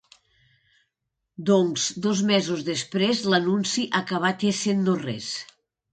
Doncs dos mesos després, l’anunci ha acabat essent no res.